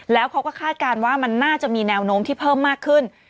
แล้วเขาก็คาดการณ์ว่ามันน่าจะมีแนวโน้มที่เพิ่มมากขึ้น